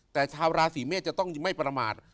แต่ชาวราศีเมษจะต้องไม่ประมาท